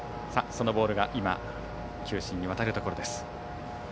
そのボールが今球審に渡るところです。